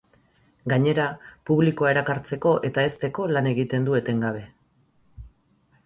Gainera, publikoa erakartzeko eta hezteko lan egiten du etengabe.